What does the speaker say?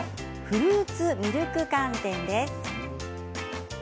フルーツミルク寒天です。